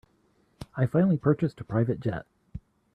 I finally purchased a private jet.